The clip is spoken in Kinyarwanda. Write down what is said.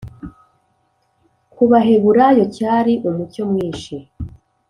ku baheburayo cyari umucyo mwinshi,